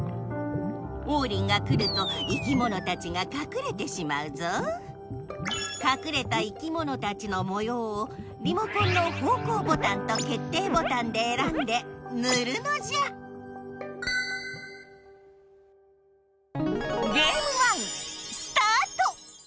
オウリンが来ると生きものたちがかくれてしまうぞかくれた生きものたちのもようをリモコンの方向ボタンと決定ボタンでえらんでぬるのじゃスタート！